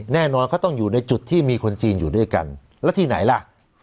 แน่นอนเขาต้องอยู่ในจุดที่มีคนจีนอยู่ด้วยกันแล้วที่ไหนล่ะ